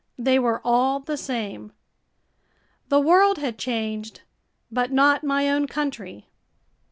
They were all the same. The world had changed but not my own country.